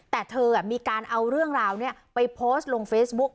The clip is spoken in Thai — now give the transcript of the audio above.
แต่เธอมีการเอาเรื่องราวนี้ไปโพสต์ลงเฟซบุ๊ก